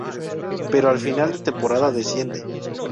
Pero al final de temporada desciende.